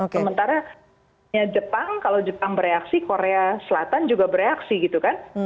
sementaranya jepang kalau jepang bereaksi korea selatan juga bereaksi gitu kan